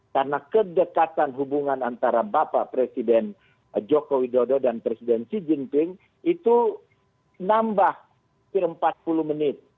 karena kedekatan hubungan antara bapak presiden joko widodo dan presiden xi jinping itu nambah kira empat puluh menit